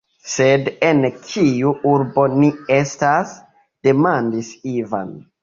Sed en kiu urbo ni estas?demandis Ivan.